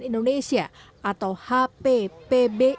indonesia atau hp